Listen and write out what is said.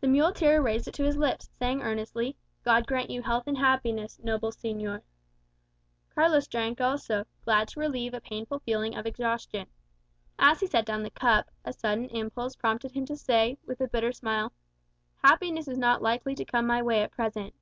The muleteer raised it to his lips, saying earnestly, "God grant you health and happiness, noble señor." Carlos drank also, glad to relieve a painful feeling of exhaustion. As he set down the cup, a sudden impulse prompted him to say, with a bitter smile, "Happiness is not likely to come my way at present."